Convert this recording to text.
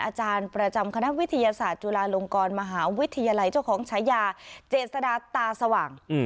อาจารย์ประจำคณะวิทยาศาสตร์จุฬาลงกรมหาวิทยาลัยเจ้าของฉายาเจษฎาตาสว่าง